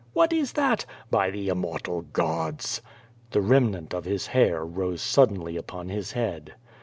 What is that! By the immortal gods!" The remnant of his hair rose suddenly on his head.